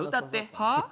はあ？